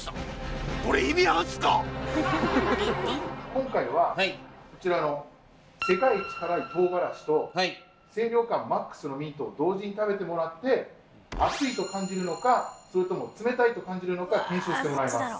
今回はこちらの世界一辛いトウガラシと清涼感ＭＡＸのミントを同時に食べてもらって「熱い」と感じるのかそれとも「冷たい」と感じるのか検証してもらいます。